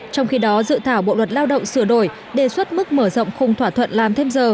trong khi đó dự thảo bộ luật lao động sửa đổi đề xuất mức mở rộng khung thỏa thuận làm thêm giờ